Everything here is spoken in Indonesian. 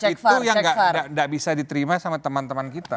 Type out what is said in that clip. itu yang tidak bisa diterima sama teman teman kita